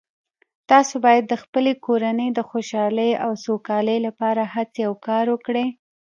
تاسو باید د خپلې کورنۍ د خوشحالۍ او سوکالۍ لپاره هڅې او کار وکړئ